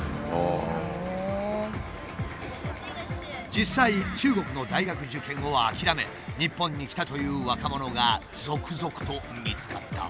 実際中国の大学受験を諦め日本に来たという若者が続々と見つかった。